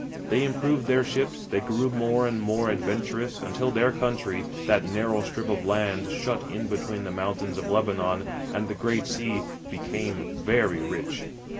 They improved their ships, they grew more and more adventurous, until their country, that narrow strip of iand shut in between the mountains of Lebanon anU the Great ) Sea, became very rich.